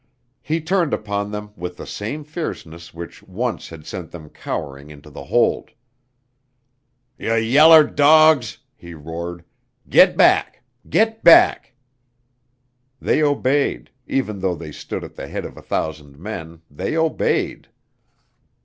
He turned upon them with the same fierceness which once had sent them cowering into the hold. "Ye yaller dogs," he roared. "Get back! Get back!" They obeyed even though they stood at the head of a thousand men, they obeyed.